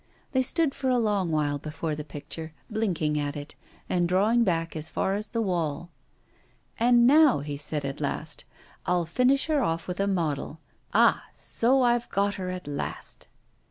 They stood for a long while before the picture, blinking at it, and drawing back as far as the wall. 'And now,' he said at last, 'I'll finish her off with a model. Ah! so I've got her at last.